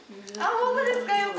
本当ですか？